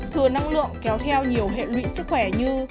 thừa năng lượng kéo theo nhiều hệ lụy sức khỏe như